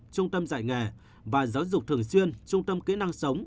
trung tâm dạy nghề và giáo dục thường xuyên trung tâm kỹ năng sống